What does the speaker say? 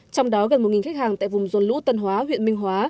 trong đó gần một khách hàng tại vùng dồn lũ tân hóa huyện minh hóa